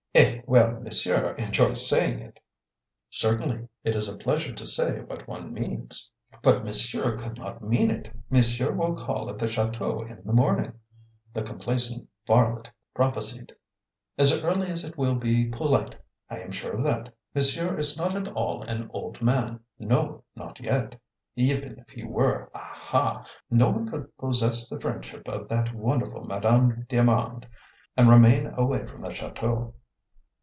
"Eh, well, monsieur enjoys saying it!" "Certainly. It is a pleasure to say what one means." "But monsieur could not mean it. Monsieur will call at the chateau in the morning" the complacent varlet prophesied "as early as it will be polite. I am sure of that. Monsieur is not at all an old man; no, not yet! Even if he were, aha! no one could possess the friendship of that wonderful Madame d'Armand and remain away from the chateau."